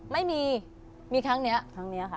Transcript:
ไม่มีมีครั้งนี้